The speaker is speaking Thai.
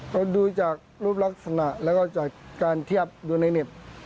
ก็ดูจากรูปลักษณะแล้วก็จากการเทียบดูในเน็ต